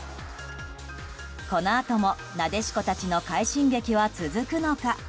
このあとも、なでしこたちの快進撃は続くのか。